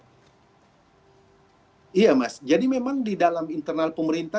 iya mas jadi memang di dalam internal pemerintah